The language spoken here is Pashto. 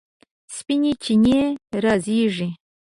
سپینې چینې رازیږي